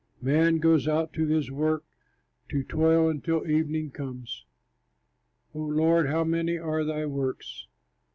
Man goes out to his work, To toil until evening comes. O Lord, how many are thy works!